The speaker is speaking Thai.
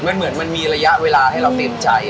มันเหมือนมันมีระยะเวลาให้เราเต็มใจ